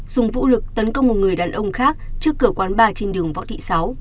dùng vũ lực tấn công một người đàn ông khác trước cửa quán bar trên đường võ thị sáu